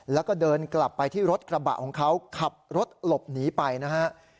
แล้วก็เดินกลับไปที่รถกระบะของเขาขับรถหลบหนีไปนะฮะ